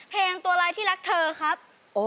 เพลงตัวอะไรที่รักเธอครับ